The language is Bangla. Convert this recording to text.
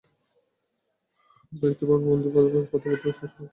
উদয়াদিত্য বন্দিভাবে প্রতাপাদিত্যের সম্মুখে আনীত হইলেন।